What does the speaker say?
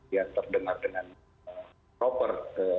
yang terdengar dengan proper